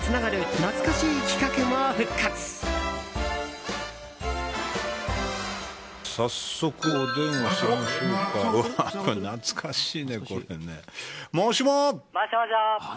懐かしいね、これね。